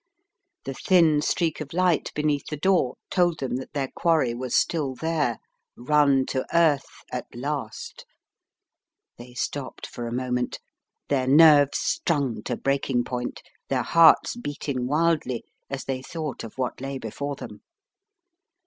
The thin streak of light beneath the door told them that their quarry was still there, run to earth at last. They stopped for a moment, their nerves strung to break ing point, their hearts beating wildly as they thought of what lay before them.